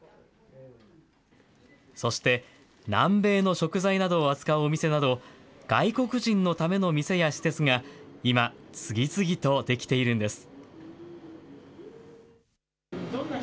そして、南米の食材などを扱うお店など、外国人のための店や施設が今、次々と出来ているんです。